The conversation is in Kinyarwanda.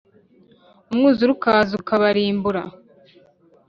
Umwuzure ukaza ukabarimbura